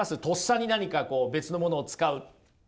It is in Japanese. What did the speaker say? とっさに何か別のものを使う。